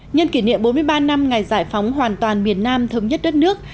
nhân kỷ niệm bốn mươi ba năm ngày giải phóng hoàn toàn miền nam thống nhất đất nước